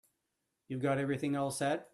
You've got everything all set?